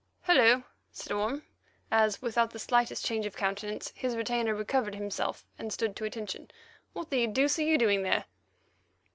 "Hullo!" said Orme as, without the slightest change of countenance, his retainer recovered himself and stood to attention. "What the deuce are you doing there?"